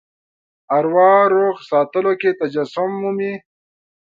اروا روغ ساتلو کې تجسم مومي.